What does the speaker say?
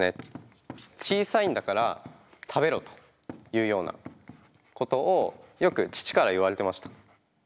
「小さいんだから食べろ」というようなことをよく父から言われてました。